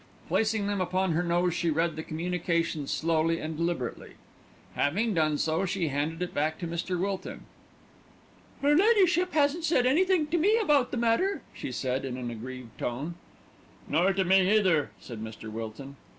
Placing them upon her nose she read the communication slowly and deliberately. Having done so she handed it back to Mr. Wilton. "Her ladyship hasn't said anythink to me about the matter," she said in an aggrieved tone. "Nor me either," said Mr. Wilton. Mrs.